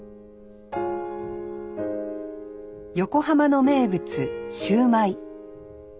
横浜の名物シューマイ。